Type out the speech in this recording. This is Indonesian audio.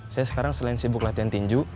saya sekarang selain sibuk latihan tinju